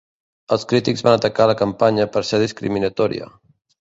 Els crítics van atacar la campanya per ser discriminatòria.